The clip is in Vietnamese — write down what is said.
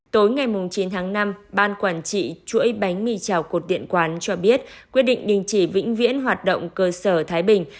tối ngày chín tháng năm ban quản trị chuỗi bánh mì trào cột điện quán cho biết quyết định đình chỉ vĩnh viễn hoạt động cơ sở thái bình